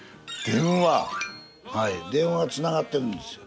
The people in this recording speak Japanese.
はい電話つながってるんですよ。